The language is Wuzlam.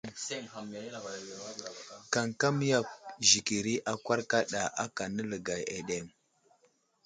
Kamkam yakw zəkiri akwar kaɗa aka nələgay aɗeŋ.